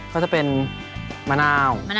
ก็จะเป็นมะนาว